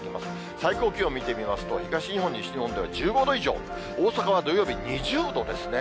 最高気温を見てみますと、東日本、西日本では１５度以上、大阪は土曜日２０度ですね。